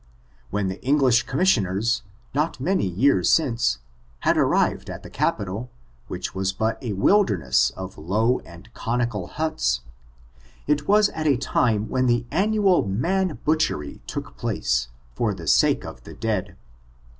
When the English Commission ers, not many years since, had arrived at the capital, which was but a wilderness of low and conical huts; it was at a time when the annual man butchery took place, for the sake of the dead.